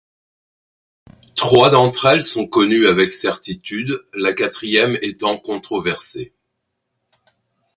Trois d'entre elles sont connues avec certitude, la quatrième étant controversée.